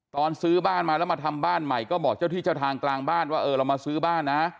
ตอนซื้อบ้านมาแล้วมาทำบ้านใหม่ก็บอกเจ้าที่เจ้าทางกลางบ้านว่าเออเรามาซื้อบ้านนะ